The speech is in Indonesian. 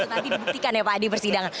tadi dibuktikan ya pak adi persidangan